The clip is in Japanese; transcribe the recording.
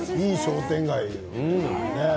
いい商店街だね。